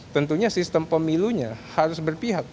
tentunya sistem pemilunya harus berpihak